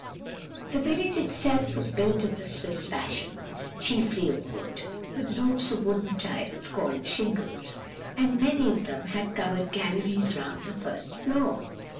"The village itself was built in the Swiss fashion, chiefly of wood, with roofs of wooden tiles, called shingles; and many of them had covered galleries round the first floor.